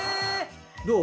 どう？